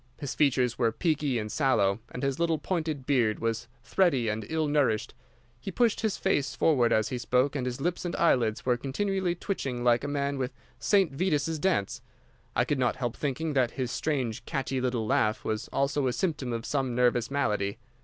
His features were peaky and sallow, and his little pointed beard was thready and ill nourished. He pushed his face forward as he spoke and his lips and eyelids were continually twitching like a man with St. Vitus's dance. I could not help thinking that his strange, catchy little laugh was also a symptom of some nervous malady.